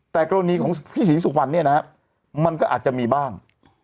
แต่กรณีของพี่ศรีสุวรรณเนี่ยนะฮะมันก็อาจจะมีบ้าง